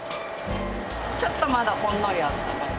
ちょっとまだほんのりあったかい。